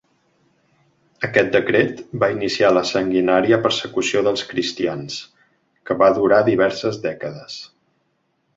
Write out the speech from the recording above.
Aquest decret va iniciar la sanguinària persecució dels cristians, que va durar diverses dècades.